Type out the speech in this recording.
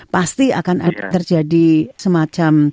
pasti akan terjadi semacam